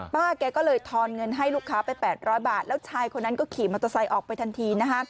ป้าแกก็เลยทอนเงินให้ลูกค้าไป๘๐๐บาทแล้วชายคนนั้นก็ขี่มอเตอร์ไซค์ออกไปทันทีนะคะ